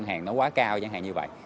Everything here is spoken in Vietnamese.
ngân hàng nó quá cao ngân hàng như vậy